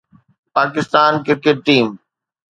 Pakistan cricket team